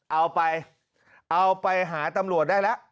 เอาไปเอาไปหาตำรวจได้แล้ว